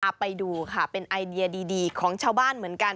เอาไปดูค่ะเป็นไอเดียดีของชาวบ้านเหมือนกัน